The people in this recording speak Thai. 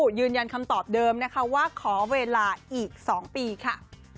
เชื่อรินยันคำตอบเดิมว่าขอเวลาอีก๒ปีค่ะ